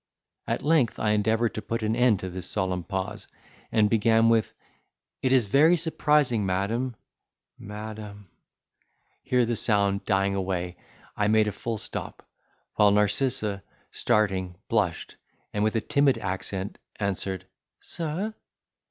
At length I endeavoured to put an end to this solemn pause, and began with, "It is very surprising, madam, madam"—here the sound dying away, I made a full stop; while Narcissa, starting, blushed, and, with a timid accent answered, "Sir?"